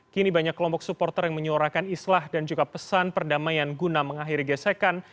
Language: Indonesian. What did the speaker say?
kini banyak kelompok supporter yang menyuarakan islah dan juga pesan perdamaian guna mengakhiri gesekan